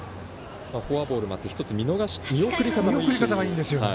フォアボールもあって１つ見送り方がいいんですね。